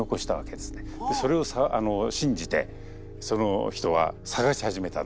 それを信じてその人は探し始めたんですよ。